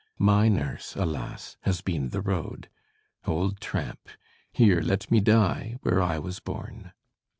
My nurse, alas! has been the road: Old tramp, here let me die where I was born.